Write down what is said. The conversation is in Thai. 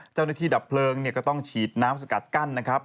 เจ้าหน้าที่ดับเพลิงก็ต้องฉีดน้ำสกัดกั้นนะครับ